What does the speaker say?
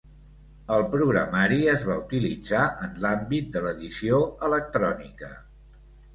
El programari es va utilitzar en l'àmbit de l'edició electrònica.